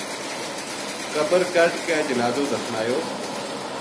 قبر کَڈ ھ کے جنازو دفنایو